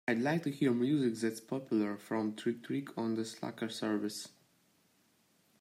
I'd like to hear music that's popular from Trick-trick on the Slacker service